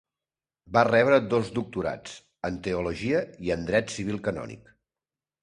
Va rebre dos doctorats, en Teologia i en Dret Civil i Canònic.